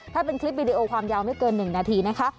ถ้าเป็นคลิปวิดีโอความยาวไม่เกิน๑นาทีนะคะ